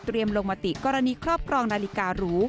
ลงมติกรณีครอบครองนาฬิการู